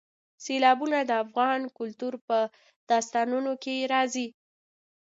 سیلابونه د افغان کلتور په داستانونو کې راځي.